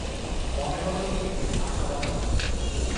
মনে হল তিনি খুব আশাবাদী নন।